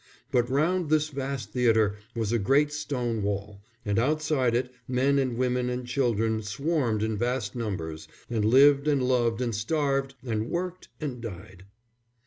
But round this vast theatre was a great stone wall, and outside it men and women and children swarmed in vast numbers, and lived and loved and starved and worked and died.